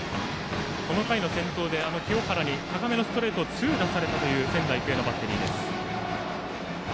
この回の先頭で清原に高めのストレートを痛打されたという仙台育英のバッテリーです。